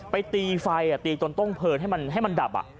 ไปตีไฟตีจนต้องเพลินให้มันดับ